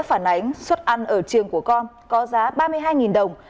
phản ánh suất ăn ở trường của con có giá ba mươi hai đồng